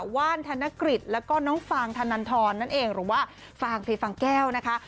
ว่านธนกฤษแล้วก็น้องฟางธนันทรนั่นเองหรือว่าฟางเพฟังแก้วนะคะ